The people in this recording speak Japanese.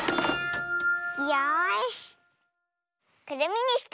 よし。